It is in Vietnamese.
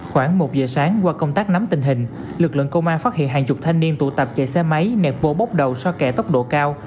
khoảng một giờ sáng qua công tác nắm tình hình lực lượng công an phát hiện hàng chục thanh niên tụ tập chạy xe máy nẹt vô bóc đầu so kẻ tốc độ cao